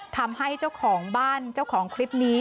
ทำให้เจ้าของบ้านเจ้าของคลิปนี้